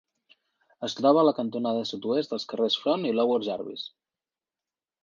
Es troba a la cantonada sud-oest dels carrers Front i Lower Jarvis.